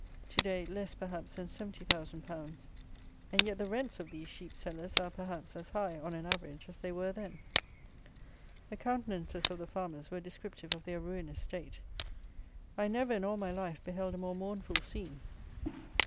To day, less, perhaps, than 70,000_l._, and yet the rents of these sheep sellers are, perhaps, as high, on an average, as they were then. The countenances of the farmers were descriptive of their ruinous state. I never, in all my life, beheld a more mournful scene.